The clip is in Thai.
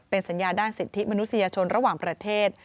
สัญญาด้านสิทธิมนุษยชนระหว่างประเทศ